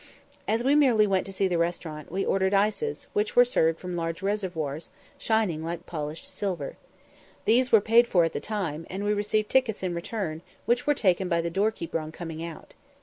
As we merely went to see the restaurant, we ordered ices, which were served from large reservoirs, shining like polished silver. These were paid for at the time, and we received tickets in return, which were taken by the doorkeeper on coming out.